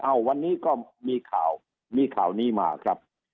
วันนี้ก็มีข่าวมีข่าวนี้มาครับ